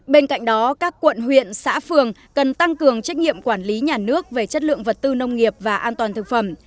bên cạnh đó các quận huyện xã phường cần tăng cường trách nhiệm quản lý nhà nước về chất lượng vật tư nông nghiệp và an toàn thực phẩm